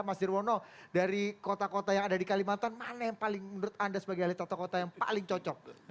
mas dirwono dari kota kota yang ada di kalimantan mana yang paling menurut anda sebagai ahli tata kota yang paling cocok